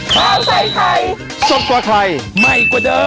โปรดติดตามตอนต่อไป